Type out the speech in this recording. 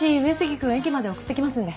君駅まで送って来ますんで。